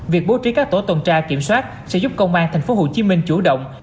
việc bố trí các tổ tồn tra kiểm soát sẽ giúp công an thành phố hồ chí minh chủ động